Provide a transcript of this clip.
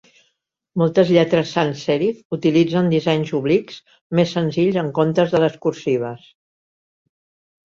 Moltes lletres sans-serif utilitzen dissenys oblics més senzills en comptes de les cursives.